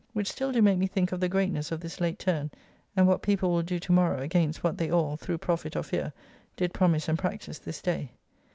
Which still do make me think of the greatness of this late turn, and what people will do tomorrow against what they all, through profit or fear, did promise and practise this day.